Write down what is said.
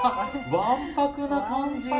わんぱくな感じ。